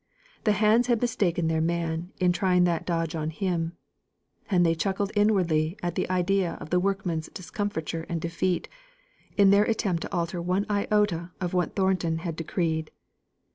The hands had mistaken their man in trying that dodge on him. And they chuckled inwardly at the idea of the workmen's discomfiture and defeat, in their attempt to alter one iota of what Thornton had decreed.